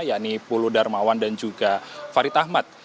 yakni pulu darmawan dan juga farid ahmad